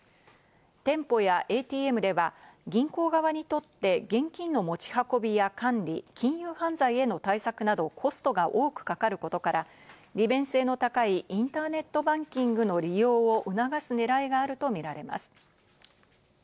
店舗やＡＴＭでは銀行側にとって現金の持ち運びや管理、金融犯罪への対策などコストが多くかかることから、利便性の高いインターネットバンキングの利用を促すねらいがあるとみられます。